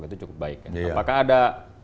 itu cukup baik apakah ada